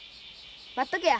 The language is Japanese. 待っとけや。